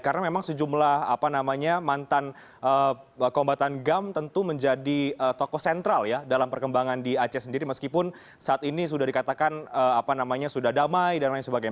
karena memang sejumlah mantan kombatan gam tentu menjadi toko sentral dalam perkembangan di aceh sendiri meskipun saat ini sudah dikatakan sudah damai dan lain sebagainya